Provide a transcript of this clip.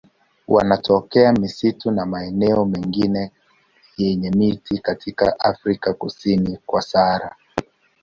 Wanatokea misitu na maeneo mengine yenye miti katika Afrika kusini kwa Sahara.